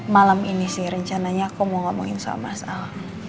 malam ini sih rencananya aku mau ngomongin soal masalah